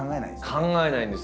考えないんです。